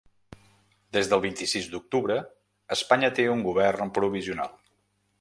Des del vint-i-sis d’octubre Espanya té un govern provisional.